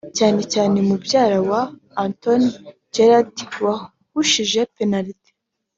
cyane cyane mubyara we Anthony Gerrard wahushije penaliti